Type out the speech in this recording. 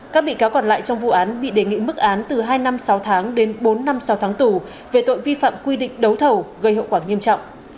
các bị cáo còn lại trong vụ án bị đề nghị mức án từ hai năm sáu tháng đến bốn năm sáu tháng tù về tội vi phạm quy định đấu thầu gây hậu quả nghiêm trọng